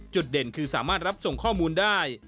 เด่นคือสามารถรับส่งข้อมูลได้